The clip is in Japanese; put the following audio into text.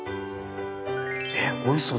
えっおいしそう。